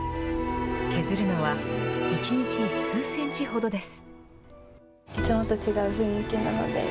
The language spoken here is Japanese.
削るのは１日数センチほどです。